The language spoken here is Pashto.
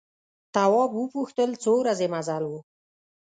تواب وپوښتل څو ورځې مزل و.